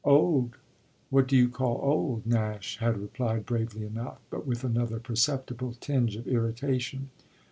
"Old? What do you call old?" Nash had replied bravely enough, but with another perceptible tinge of irritation.